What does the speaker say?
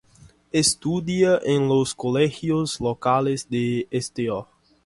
Estudia en los colegios locales de Sto.